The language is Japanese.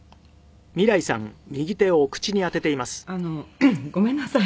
あのごめんなさい。